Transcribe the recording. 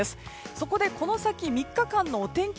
そこで、この先３日間のお天気